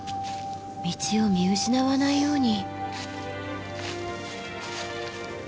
道を見失わないように。